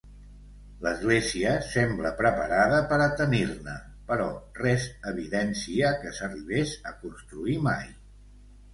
L'església sembla preparada per a tenir-ne, però res evidencia que s'arribés a construir mai.